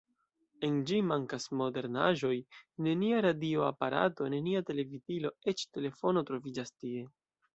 En ĝi mankas modernaĵoj: nenia radioaparato, nenia televidilo, eĉ ne telefono troviĝas tie.